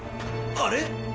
「あれ」？